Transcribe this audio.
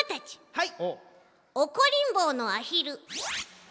はい。